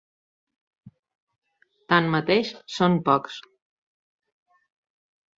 Tanmateix, són pocs.